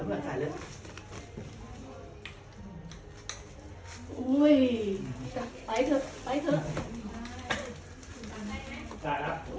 สวัสดีค่ะ